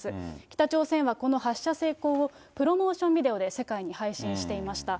北朝鮮はこの発射成功をプロモーションビデオで世界に配信していました。